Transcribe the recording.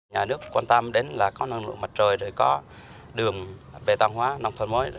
nhà nước quan tâm đến là có năng lượng mặt trời rồi có đường về tăng hóa nông thôn mới